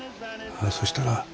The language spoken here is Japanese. そしたら。